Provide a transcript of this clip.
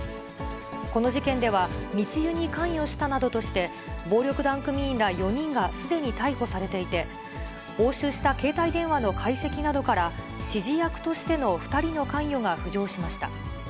この事件では、密輸に関与したなどとして、暴力団組員ら４人がすでに逮捕されていて、押収した携帯電話の解析などから、指示役としての２人の関与が浮上しました。